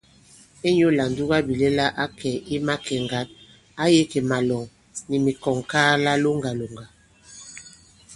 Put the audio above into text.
Inyū lā ǹdugabìlɛla ǎ kɛ̀ i makè ŋgǎn, ǎ yī kì màlɔ̀ŋ nì mikɔ̀ŋŋkaala loŋgàlòŋgà.